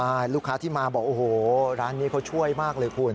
ใช่ลูกค้าที่มาบอกโอ้โหร้านนี้เขาช่วยมากเลยคุณ